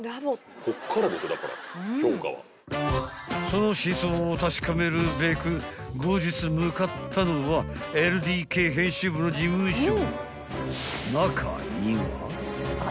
［その真相を確かめるべく後日向かったのはＬＤＫ編集部の事務所］